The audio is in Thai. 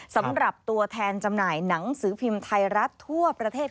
สำหรับตัวแทนจำหน่ายหนังสือพิมพ์ไทยรัฐทั่วประเทศ